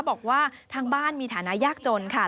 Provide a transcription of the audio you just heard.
บอกว่าทางบ้านมีฐานะยากจนค่ะ